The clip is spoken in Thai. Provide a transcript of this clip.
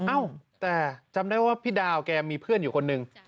เอ้าแต่จำได้ว่าพี่ดาวแกมีเพื่อนอยู่คนหนึ่ง